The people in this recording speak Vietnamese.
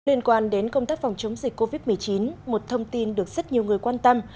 liên quan đến công tác phòng chống dịch covid một mươi chín một thông tin được rất nhiều người quan tâm